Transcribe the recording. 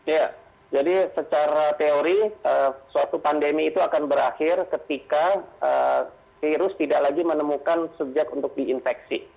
ya jadi secara teori suatu pandemi itu akan berakhir ketika virus tidak lagi menemukan subjek untuk diinfeksi